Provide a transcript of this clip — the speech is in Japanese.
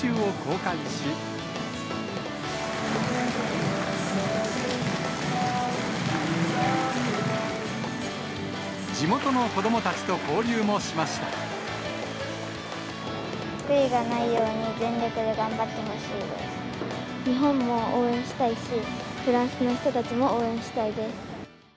悔いがないように全力で頑張日本も応援したいし、フランスの人たちも応援したいです。